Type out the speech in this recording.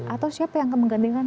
atau siapa yang akan menggandingkan